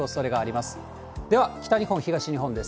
では北日本、東日本です。